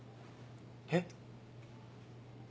えっ？